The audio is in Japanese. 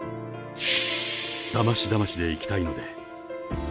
だましだましでいきたいので。